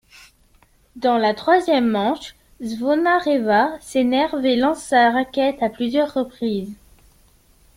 Dans la troisième manche, Zvonareva s'énerve et lance sa raquette à plusieurs reprises.